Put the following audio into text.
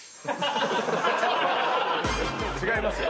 違いますよ。